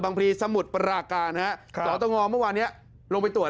บังพรีสมุดประรากาณฮะครับต่อต่องอวันเนี้ยลงไปตรวจ